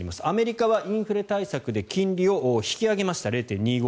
アメリカはインフレ対策で金利を引き上げました。